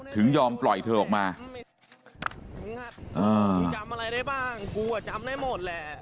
ยอมปล่อยเธอออกมากูจำอะไรได้บ้างกูอ่ะจำได้หมดแหละ